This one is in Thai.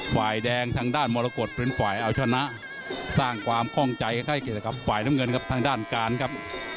ฝ่ายแดงทางด้านมรกฏเป็นฝ่ายเอาชนะสร้างความคล่องใจให้เกี่ยวกับฝ่ายน้ำเงินครับทางด้านการครับ